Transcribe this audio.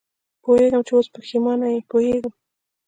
پوهېږم چې اوس پېښېمانه یې، پوهېږم.